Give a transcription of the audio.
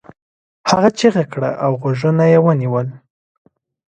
هغه چیغه کړه او غوږونه یې ونيول.